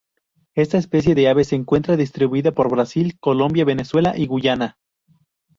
Esta especie de ave se encuentra distribuida por Brasil, Colombia, Venezuela y Guyana.